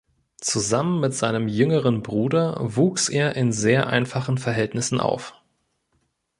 Zusammen mit seinem jüngeren Bruder wuchs er in sehr einfachen Verhältnissen auf.